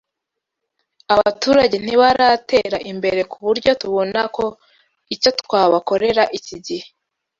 Abaturage ntibaratera imbere ku buryo tubona ko icyo twabakorera iki gihe